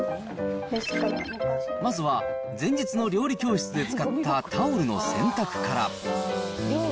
まずは前日の料理教室で使ったタオルの洗濯から。